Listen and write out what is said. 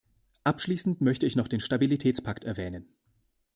Abschließend möchte ich noch den Stabilitätspakt erwähnen.